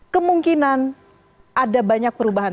kemungkinan ada banyak perubahan